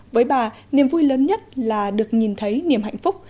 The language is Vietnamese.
với bà niềm vui lớn nhất là được nhìn thấy niềm hạnh phúc